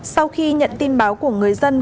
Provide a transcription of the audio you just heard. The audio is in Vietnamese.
sau khi nhận tin báo của người dân